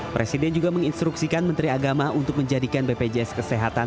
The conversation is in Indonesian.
presiden juga menginstruksikan menteri agama untuk menjadikan bpjs kesehatan